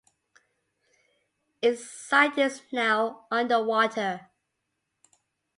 Its site is now under water.